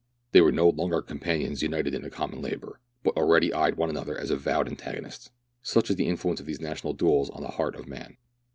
They were no longer companions united in a common labour, but already eyed one another as avowed antagonists. Such is the influence of these national duels on the heart of man.